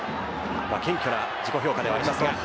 謙虚な自己評価ではあります。